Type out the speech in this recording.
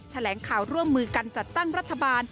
แถลงข่าวร่วมมือกันจัดตั้งรัฐบาล